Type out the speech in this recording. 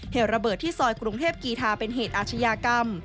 เหตุระเบิดที่ซอยกรุงเทพกีธาเป็นเหตุอาชญากรรม